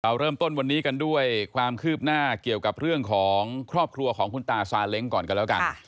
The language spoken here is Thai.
เริ่มต้นวันนี้กันด้วยความคืบหน้าเกี่ยวกับเรื่องของครอบครัวของคุณตาซาเล้งก่อนกันแล้วกัน